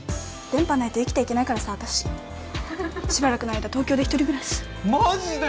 電波ないと生きてけないからさ私しばらくの間東京で一人暮らしマジで！？